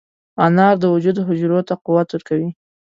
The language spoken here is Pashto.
انار د وجود حجرو ته قوت ورکوي.